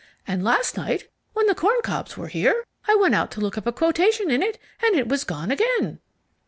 And last night, when the Corn Cobs were here, I went out to look up a quotation in it, and it was gone again."